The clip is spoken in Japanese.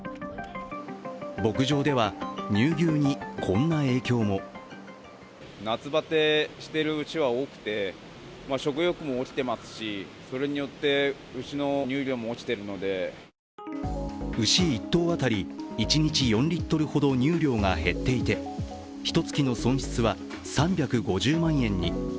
牧場では乳牛にこんな影響も牛１頭当たり１日４リットルほど乳量が減っていてひとつきの損失は３５０万円に。